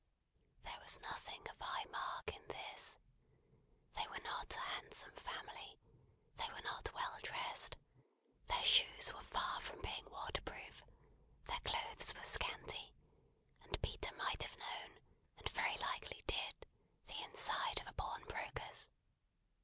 There was nothing of high mark in this. They were not a handsome family; they were not well dressed; their shoes were far from being water proof; their clothes were scanty; and Peter might have known, and very likely did, the inside of a pawnbroker's.